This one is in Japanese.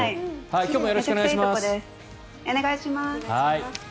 お願いします。